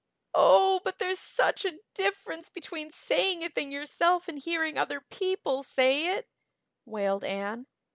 "Oh, but there's such a difference between saying a thing yourself and hearing other people say it," wailed Anne.